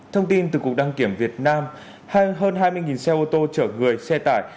thông tin từ cục đăng kiểm việt nam hơn hai mươi xe ô tô chở người xe tải